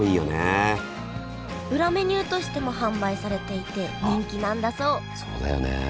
裏メニューとしても販売されていて人気なんだそうそうだよね。